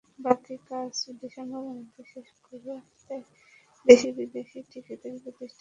বাকি কাজ ডিসেম্বরের মধ্যে শেষ করতে দেশি-বিদেশি ঠিকাদারি প্রতিষ্ঠানকে নির্দেশ দেওয়া হয়েছে।